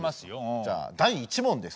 じゃあ第１問です。